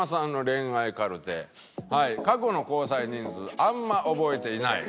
「過去の交際人数あんま覚えていない」